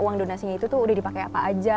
uang donasinya itu tuh udah dipakai apa aja